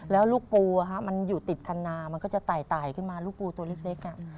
แล้วลูกปูมันอยู่ติดคันนามันก็จะไต่ขึ้นมาลูกปูตัวเล็ก